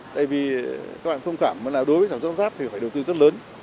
tại vì các bạn thông cảm là đối với sản xuất lắp ráp thì phải đầu tư rất lớn